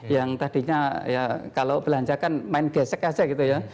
yang tadinya ya kalau belanja kan main gesek aja gitu ya